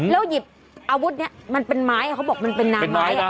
แล้วหยิบอาวุธนี้มันเป็นไม้เขาบอกมันเป็นนางไม้